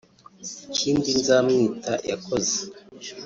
Ikindi Nzamwita yakoze